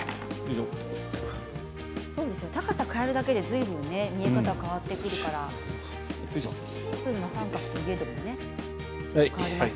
高さを変えるだけでずいぶん見え方も変わってくるからシンプルな三角といえどもね。